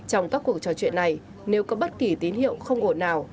trong các cuộc trò chuyện này nếu có bất kỳ tín hiệu không ổn nào